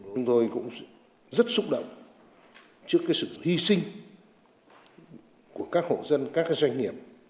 chúng tôi cũng rất xúc động trước sự hy sinh của các hộ dân các doanh nghiệp